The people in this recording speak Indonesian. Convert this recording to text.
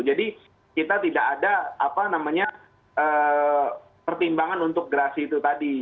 jadi kita tidak ada pertimbangan untuk gerasi itu tadi